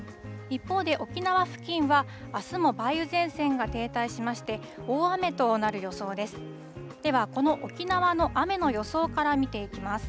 一方で沖縄付近はあすも梅雨前線が停滞しまして、大雨となる予想です。